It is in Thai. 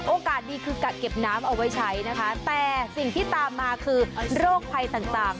โอกาสดีคือกะเก็บน้ำเอาไว้ใช้นะคะแต่สิ่งที่ตามมาคือโรคภัยต่าง